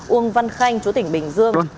uông văn khanh chú tỉnh bình dương